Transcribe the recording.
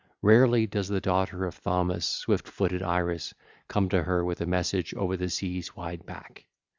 Rarely does the daughter of Thaumas, swift footed Iris, come to her with a message over the sea's wide back.